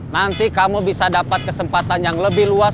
nanti kamu bisa dapat kesempatan yang lebih luas